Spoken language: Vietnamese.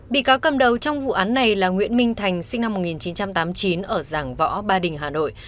bị cáo cầm đầu trong vụ án này là nguyễn minh thành sinh năm một nghìn chín trăm tám mươi chín ở giảng võ ba đình hà nội